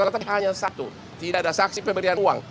ternyata hanya satu tidak ada saksi pemberian uang